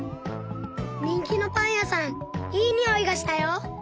にんきのパンやさんいいにおいがしたよ！